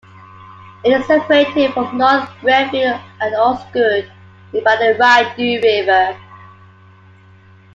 It is separated from North Grenville and Osgoode by the Rideau River.